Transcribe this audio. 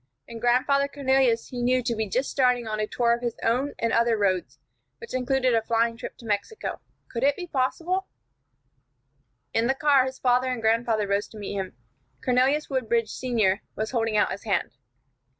And Grandfather Cornelius he knew to be just starting on a tour of his own and other roads, which included a flying trip to Mexico. Could it be possible In the car his father and grandfather rose to meet him. Cornelius Woodbridge, Senior, was holding out his hand.